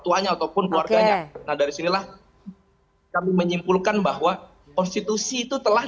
tuanya ataupun keluarganya nah dari sinilah kami menyimpulkan bahwa konstitusi itu telah